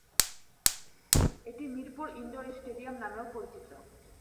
এটি Mirpur indoor stadium নামেও পরিচিত।